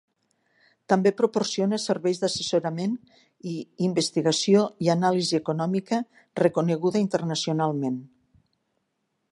També proporciona serveis d'assessorament i, investigació i anàlisi econòmica reconeguda internacionalment.